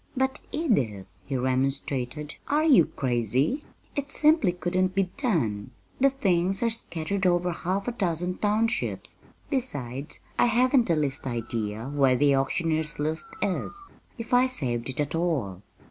"But, Edith," he remonstrated, "are you crazy? It simply couldn't be done! The things are scattered over half a dozen townships; besides, I haven't the least idea where the auctioneer's list is if I saved it at all."